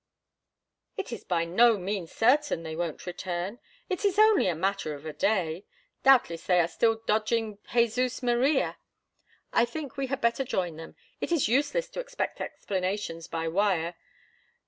"It is by no means certain they won't return; it is only a matter of a day. Doubtless they are still dodging Jesus Maria. I think we had better join them. It is useless to expect explanations by wire.